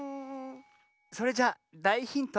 それじゃだいヒント。